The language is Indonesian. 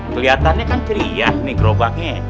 keliatannya kan ceriah nih gerobaknya